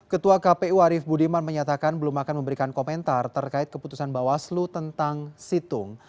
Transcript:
ketua kpu arief budiman menyatakan belum akan memberikan komentar terkait keputusan bawaslu tentang situng